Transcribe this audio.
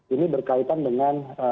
ini berkaitan dengan